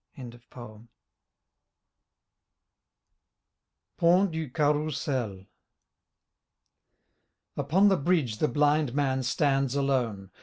33 PONT DU CARROUSEL Upon the bridge the blind man stands alone.